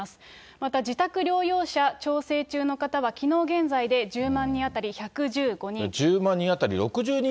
また自宅療養者、調整中の方は、きのう現在で１０万人当たり１１５人。